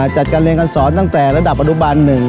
จัดการเรียนการสอนตั้งแต่ระดับอนุบัน๑